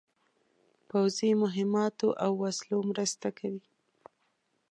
پوځي مهماتو او وسلو مرسته کوي.